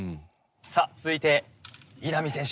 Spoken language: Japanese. さあ続いて稲見選手。